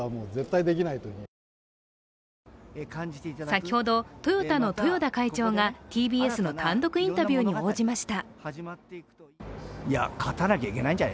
先ほど、トヨタの豊田会長がＴＢＳの単独インタビューに応じました。